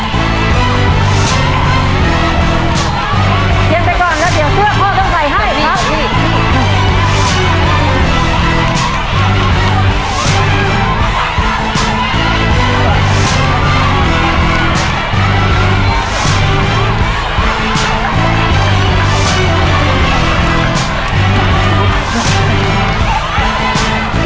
เย็นไปก่อนแล้วเดี๋ยวเสื้อพ่อต้องใส่ให้ครับ